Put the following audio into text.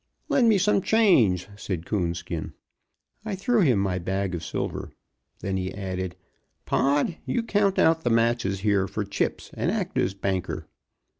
"Lend me some change," said Coonskin. I threw him my bag of silver. Then he added: "Pod, you count out the matches here for chips and act as banker."